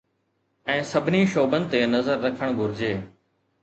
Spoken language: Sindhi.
۽ سڀني شعبن تي نظر رکڻ گهرجي